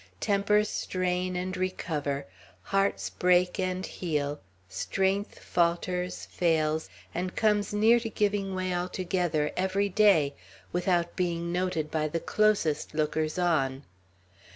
Tempers strain and recover, hearts break and heal, strength falters, fails, and comes near to giving way altogether, every day, without being noted by the closest lookers on.